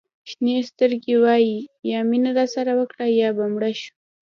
شینې سترګې وایي یا مینه راسره وکړه یا به مړه شو.